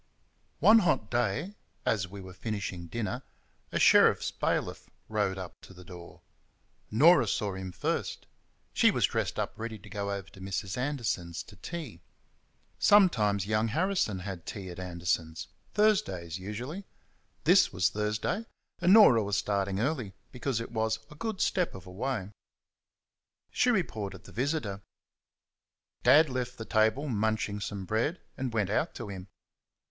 One hot day, as we were finishing dinner, a sheriff's bailiff rode up to the door. Norah saw him first. She was dressed up ready to go over to Mrs. Anderson's to tea. Sometimes young Harrison had tea at Anderson's Thursdays, usually. This was Thursday; and Norah was starting early, because it was "a good step of a way". She reported the visitor. Dad left the table, munching some bread, and went out to him.